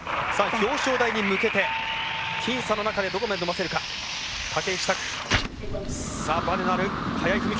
表彰台に向けて、僅差の中でどこまで伸ばせるか、竹内択。